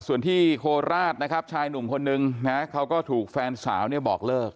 ส่วนที่โคราชนะครับชายหนุ่มคนนึงนะเขาก็ถูกแฟนสาวเนี่ยบอกเลิก